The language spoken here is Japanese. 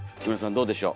どうでしょう？